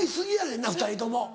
んな２人とも。